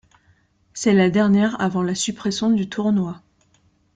C'est la dernière avant la suppression du tournoi.